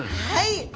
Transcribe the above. はい。